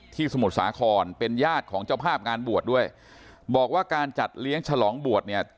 สมุทรสาครเป็นญาติของเจ้าภาพงานบวชด้วยบอกว่าการจัดเลี้ยงฉลองบวชเนี่ย